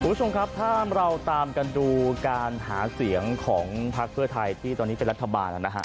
คุณผู้ชมครับถ้าเราตามกันดูการหาเสียงของพักเพื่อไทยที่ตอนนี้เป็นรัฐบาลนะฮะ